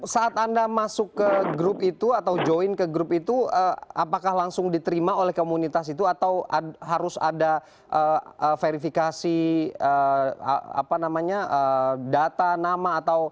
saat anda masuk ke grup itu atau join ke grup itu apakah langsung diterima oleh komunitas itu atau harus ada verifikasi data nama atau